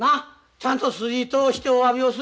ちゃんと筋通しておわびをするとか。